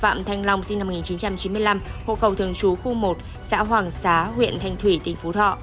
phạm thanh long sinh năm một nghìn chín trăm chín mươi năm hộ khẩu thường trú khu một xã hoàng xá huyện thanh thủy tỉnh phú thọ